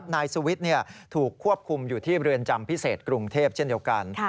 นายสุวิทย์ถูกควบคุมอยู่ที่เรือนจำพิเศษกรุงเทพเช่นเดียวกัน